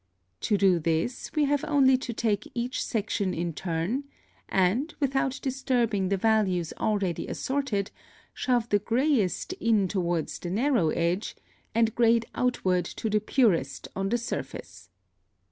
To do this, we have only to take each section in turn, and, without disturbing the values already assorted, shove the grayest in toward the narrow edge, and grade outward to the purest on the surface.